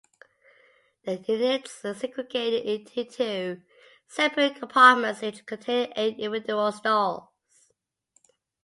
The units were segregated into two separate compartments, each containing eight individual stalls.